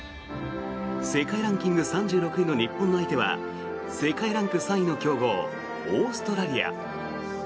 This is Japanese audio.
世界ランキング３６位の日本の相手は世界ランク３位の強豪オーストラリア。